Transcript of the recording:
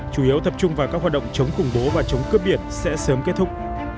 chủ yếu tập trung vào các hoạt động chống khủng bố và chống cướp biển sẽ sớm kết thúc